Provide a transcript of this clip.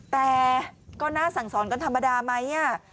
แต่ก็น่าสั่งซ้อนกันธรรมดาไหมเนี่ย